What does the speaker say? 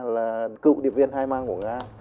là cựu điệp viên hai mang của nga